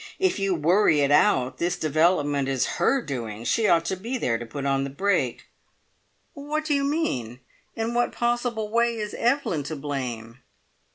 If you worry it out, this development is her doing. She ought to be there to put on the brake!" "What do you mean? In what possible way is Evelyn to blame?"